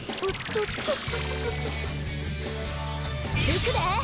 いくで！